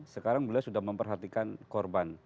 sekarang beliau sudah memperhatikan korban